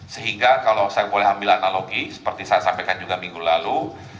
sehingga kalau saya boleh ambil analogi seperti saya sampaikan juga minggu lalu